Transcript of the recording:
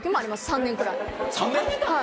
３年くらい３年？